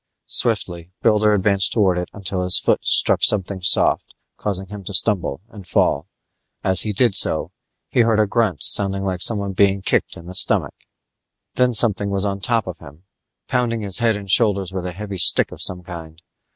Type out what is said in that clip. Swiftly Builder advanced towards it until his foot struck something soft, causing him to stumble and fall. As he did so, he heard a grunt sounding like someone being kicked in the stomach Then something was on top of him, pounding his head and shoulders with a heavy stick of some kind.